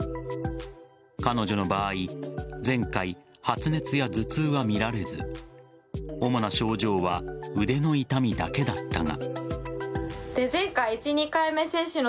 彼女の場合前回、発熱や頭痛は見られず主な症状は腕の痛みだけだったが。